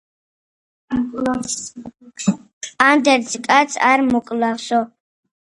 ანდერძი კაცს არ მოკლავსო